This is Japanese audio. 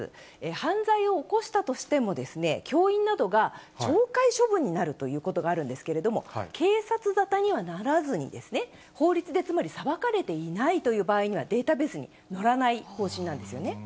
犯罪を起こしたとしても、教員などが懲戒処分になるということがあるんですけれども、警察沙汰にはならずに、法律でつまり裁かれていないという場合には、データベースに載らない方針なんですよね。